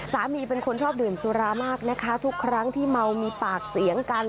เป็นคนชอบดื่มสุรามากนะคะทุกครั้งที่เมามีปากเสียงกัน